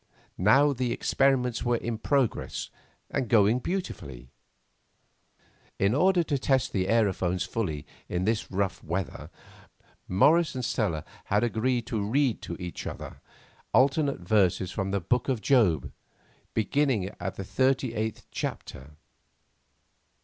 Now the experiments were in progress, and going beautifully. In order to test the aerophones fully in this rough weather, Morris and Stella had agreed to read to each other alternate verses from the Book of Job, beginning at the thirty eighth chapter.